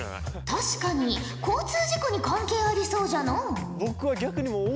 確かに交通事故に関係ありそうじゃのう。